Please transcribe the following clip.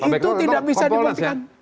itu tidak bisa dibuktikan